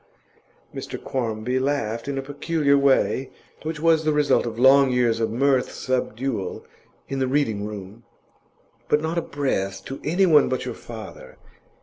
Mr Quarmby laughed in a peculiar way, which was the result of long years of mirth subdual in the Reading room. 'But not a breath to anyone but your father.